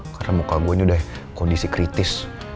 karena muka gue ini udah kondisi kritis